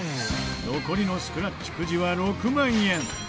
残りのスクラッチくじは６万円。